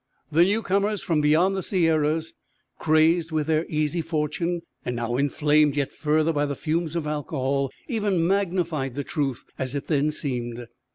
The newcomers from beyond the Sierras, crazed with their easy fortune, and now inflamed yet further by the fumes of alcohol, even magnified the truth, as it then seemed.